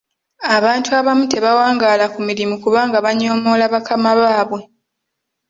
Abantu abamu tebawangaala ku mirimu kubanga banyoomoola bakama baabwe.